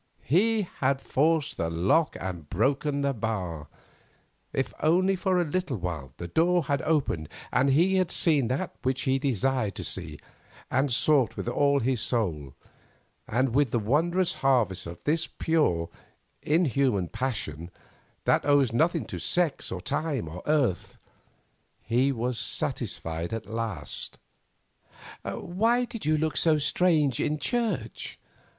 He had forced the lock and broken the bar; if only for a little while, the door had opened, and he had seen that which he desired to see and sought with all his soul, and with the wondrous harvest of this pure, inhuman passion, that owes nothing to sex, or time, or earth, he was satisfied at last. "Why did you look so strange in church?"